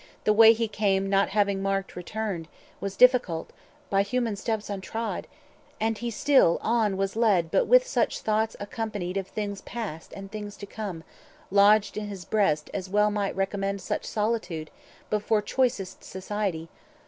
The way he came, not having marked return, Was difficult, by human steps untrod; And he still on was led, but with such thoughts Accompanied of things past and to come 300 Lodged in his breast as well might recommend Such solitude before choicest society.